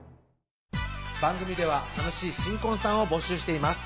番組では楽しい新婚さんを募集しています